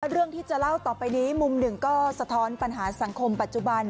เรื่องที่จะเล่าต่อไปนี้มุมหนึ่งก็สะท้อนปัญหาสังคมปัจจุบัน